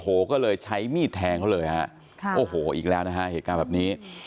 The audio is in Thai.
โอ้โหก็เลยใช้มีดแทงเขาเลยฮะค่ะโอ้โหอีกแล้วนะฮะเหตุการณ์แบบนี้